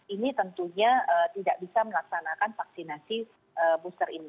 ini tentunya tidak bisa melaksanakan vaksinasi booster ini